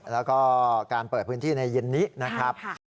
แล้วก็การเปิดพื้นที่ในเย็นนี้นะครับ